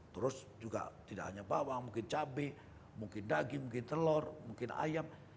terus juga tidak hanya bawang mungkin cabai mungkin daging mungkin telur mungkin ayam